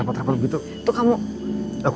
iq cek ou tak mau